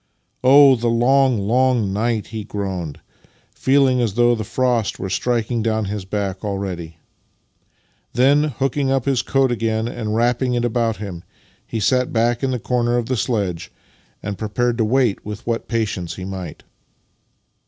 " Oh, the long, long night! " he groaned, feeling as though the frost were striking down his back already. Then, hooking his coat up again and wrapping it about him, he sat back in the corner of the sledge, and prepared to wait with what patience he might.